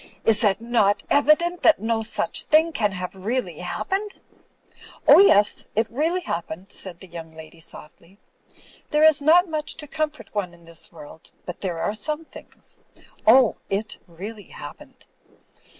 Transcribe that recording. "Is it not evident that no such thing can have really happened?" "Oh, yes — ^it really happened," said the yoimg lady, softly. "There is not much to comfort one in this world ; but there are some things. Oh, it really hap pened."